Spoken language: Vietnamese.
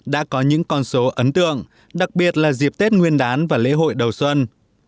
đã có những con số ấn tượng đặc biệt là dịp tết nguyên đán và lễ hội đầu xuân